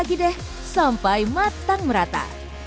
lagi deh sampai matang merata